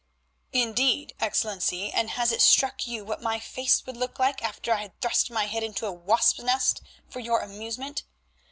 "Indeed, Excellency, and has it struck you what my face would look like after I had thrust my head into a wasp's nest for your amusement?